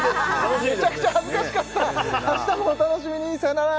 めちゃくちゃ恥ずかしかった明日もお楽しみにさよなら！